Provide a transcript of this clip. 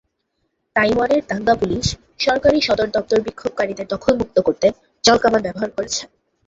তাইওয়ানের দাঙ্গা পুলিশ সরকারি সদর দপ্তর বিক্ষোভকারীদের দখলমুক্ত করতে জলকামান ব্যবহার করেছে।